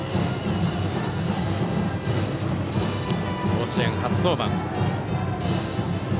甲子園初登板。